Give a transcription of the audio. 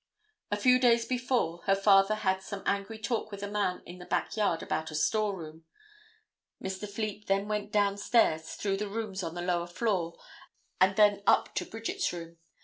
A few days before, her father had some angry talk with a man in the back yard about a storeroom. Mr. Fleet then went down stairs through the rooms on the lower floor and then up to Bridget's room.